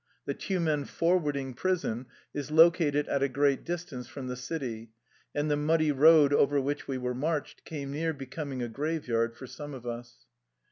The Tyumen forwarding prison is located at a great distance from the city, and the muddy road over which we were marched came near becoming a grave yard for some of us.